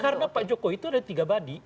karena pak jokowi itu ada tiga bodi